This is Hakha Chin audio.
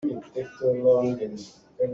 Lungthincheuh na duh caah kaa lawm.